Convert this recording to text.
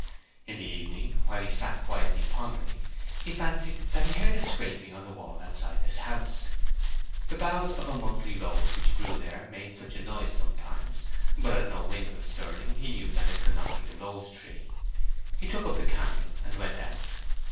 In the evening, while he sat quietly pondering, he fancied that he heard a scraping on the wall outside his house. The boughs of a monthly rose which grew there made such a noise sometimes, but as no wind was stirring he knew that it could not be the rose tree. He took up the candle and went out.